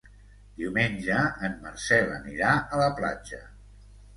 Diumenge en Marcel anirà a la platja.